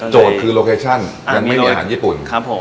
โจทย์คือโลเคชั่นยังไม่มีอาหารญี่ปุ่น